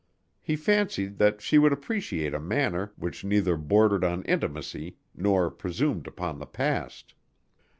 He fancied that she would appreciate a manner which neither bordered on intimacy nor presumed upon the past.